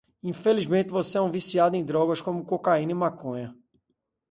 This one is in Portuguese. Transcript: Infelizmente é um viciado em drogas como cocaína e maconha